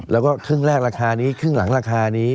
แล้วก็ครึ่งแรกราคานี้ครึ่งหลังราคานี้